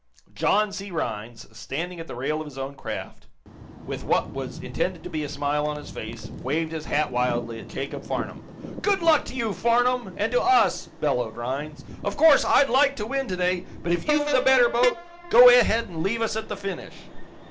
John C. Rhinds, standing at the rail of his own craft, with what was intended to be a smile his face, waved his hat wildly at Jacob Farnum. "Good luck to you, Farnum and to us!" bellowed Rhinds. "Of course, I'd like to win today, but if you've the better boat, go ahead and leave us at the finish.